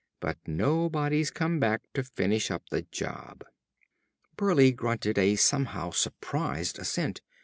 But nobody's come back to finish up the job." Burleigh grunted a somehow surprised assent.